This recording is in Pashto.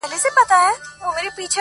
لېونی نه یمه هوښیار یمه رقیب پیژنم؛